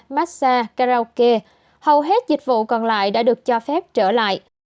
massage karaoke hầu hết dịch vụ còn lại đã được cho phép trở lại